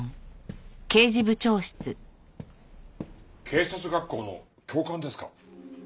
警察学校の教官ですか？